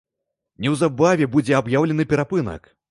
Неўзабаве будзе аб'яўлены перапынак.